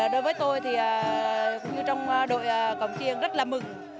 đối với tôi thì cũng như trong đội cổng chiêng rất là mừng